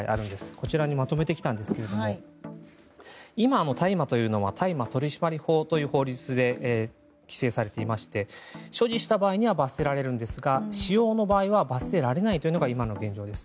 こちらにまとめてきたんですが今の大麻というのは大麻取締法という法律で規制されていまして所持した場合には罰せられるんですが使用の場合は罰せられないのが今の現状です。